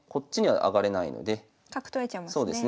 角取られちゃいますね。